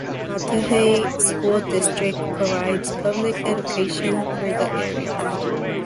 The Cudahy School District provides public education for the area.